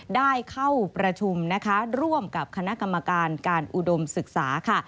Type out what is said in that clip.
ได้เข้าประชุมนะคะร่วมกับคณะกรรมการการอุดมศึกษาค่ะ